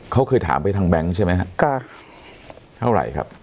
เขาเคยถามไปทางแบงค์ใช่ไหม